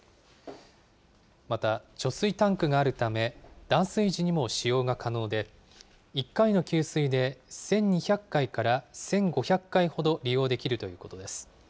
また、貯水タンクがあるため、断水時にも使用が可能で、１回の給水で、１２００回から１５００回ほど利用できるということです。